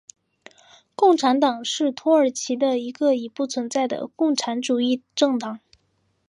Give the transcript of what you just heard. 共产党是土耳其的一个已不存在的共产主义政党。